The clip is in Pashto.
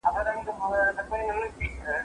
زه به سبا زده کړه وکړم!؟